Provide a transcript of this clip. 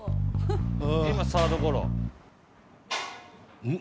今サードゴロおっ？